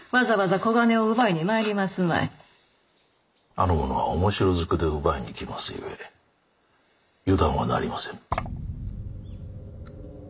あの者はおもしろずくで奪いに来ますゆえ油断はなりません。